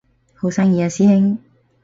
好生意啊師兄